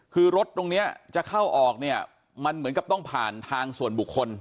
คือรถตรงเนี้ยจะเข้าออกเนี่ยมันเหมือนกับต้องผ่านทางส่วนบุคคล